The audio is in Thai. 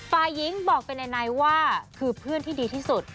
ฝ่ายหญิงบอกไปไหนว่าคือเพื่อนที่ดีที่สุด